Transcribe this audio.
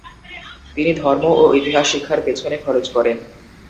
তিনি ধর্ম ও ইতিহাস শিক্ষার পেছনে খরচ করেন।